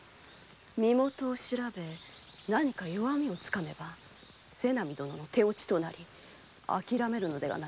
身元を調べ何か弱みをつかめば瀬波の手落ちとなりあきらめるのではないか。